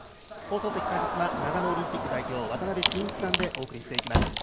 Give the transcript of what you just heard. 放送席解説は長野オリンピック代表渡辺伸一さんでお送りしていきます。